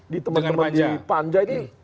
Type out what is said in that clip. di teman teman di panja ini